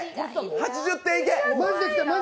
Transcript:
８０点いけ！